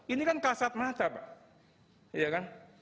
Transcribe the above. ini kan kasat mata pak